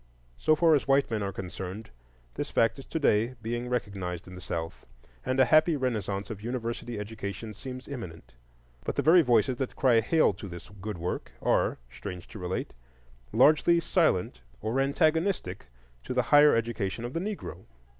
So far as white men are concerned, this fact is to day being recognized in the South, and a happy renaissance of university education seems imminent. But the very voices that cry hail to this good work are, strange to relate, largely silent or antagonistic to the higher education of the Negro.